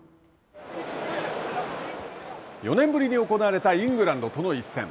４年ぶりに行われたイングランドとの一戦。